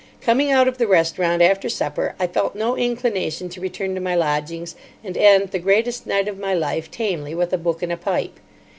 Coming out of the restaurant after supper, I felt no inclination to return to my lodgings, and end the greatest night of my life tamely with a book and a pipe.